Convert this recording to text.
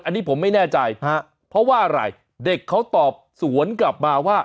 อันนี้ผมไม่แน่ใจเพราะว่าอะไรเด็กเขาตอบสวนกลับมาว่า